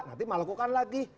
nanti melakukan lagi